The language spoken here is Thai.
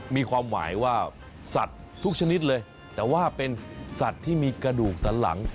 มีความหมายว่าสัตว์ทุกชนิดเลยแต่ว่าเป็นสัตว์ที่มีกระดูกสันหลัง